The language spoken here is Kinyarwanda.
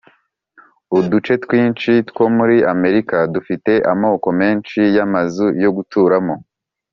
Uduce twinshi two muri amerika dufite amoko menshi y amazu yo guturamo